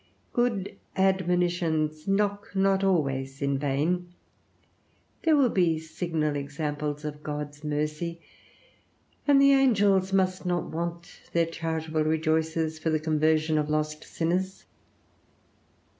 Good admonitions knock not always in vain. There will be signal examples of God's mercy, and the angels must not want their charitable rejoices for the conversion of lost sinners.